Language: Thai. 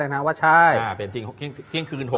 เล็กเล็กเล็กเล็กเล็ก